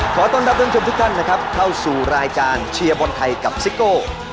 ขอต้อนรับทุกท่านนะครับเข้าสู่รายการเชียร์บนไทยกับซิโก้